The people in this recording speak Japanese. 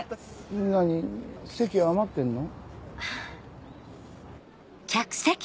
何席余ってんの？